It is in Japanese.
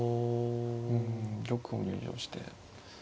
うん玉を入城して。